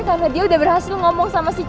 karena dia udah berhasil ngomong sama si putri